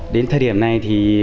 đến thời điểm này